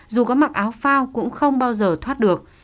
dù có mặc áo phao cũng không bao giờ thoát được